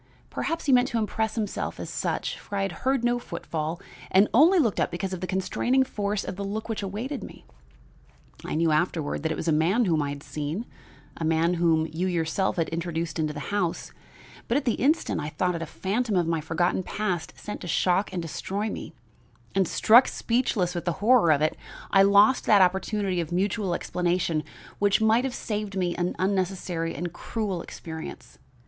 Perhaps he meant to impress himself as such, for I had heard no footfall and only looked up because of the constraining force of the look which awaited me. I knew afterward that it was a man whom I had seen, a man whom you yourself had introduced into the house; but at the instant I thought it a phantom of my forgotten past sent to shock and destroy me; and, struck speechless with the horror of it, I lost that opportunity of mutual explanation which might have saved me an unnecessary and cruel experience.